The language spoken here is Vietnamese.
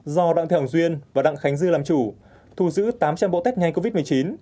do đặng thế hồng duyên và đặng khánh dư làm chủ thu giữ tám trăm linh bộ test nhanh covid một mươi chín